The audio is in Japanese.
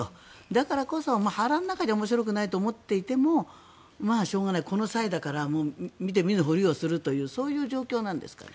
だからこそ、腹の中では面白くないと思っていてもまあ、しょうがないこの際だから見て見ぬふりをするとそういう状況なんですかね。